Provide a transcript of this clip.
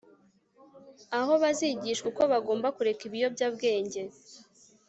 aho bazigishwa uko bagomba kureka ibiyobyabwenge